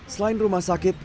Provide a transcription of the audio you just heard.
selain rumah sakit